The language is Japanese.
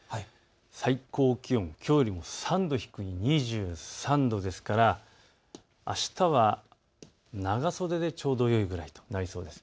最高気温、きょうよりも３度低い２３度ですからあしたは長袖でちょうどよいくらいとなりそうです。